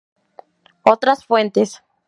Otras fuentes